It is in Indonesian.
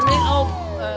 es dawat segar